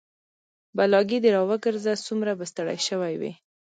بلاګي د راوګرځه سومره به ستړى شوى وي